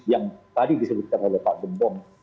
yang tadi disebutkan oleh pak gembong